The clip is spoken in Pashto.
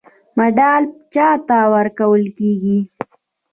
مډال چا ته ورکول کیږي؟